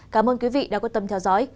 cảm ơn quý vị đã quan tâm theo dõi